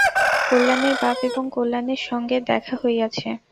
কল্যাণীর বাপ এবং কল্যাণীর সঙ্গে দেখা হইয়াছে।